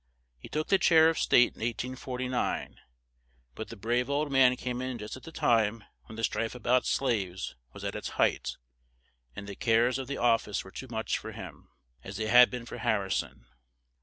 He took the chair of state in 1849, but the brave old man came in just at the time when the strife a bout slaves was at its height; and the cares of the of fice were too much for him, as they had been for Har ri son.